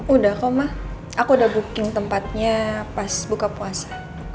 udah kok mah aku udah booking tempatnya pas buka puasa